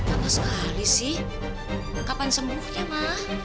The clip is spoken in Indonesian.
apa sekali sih kapan semuanya ma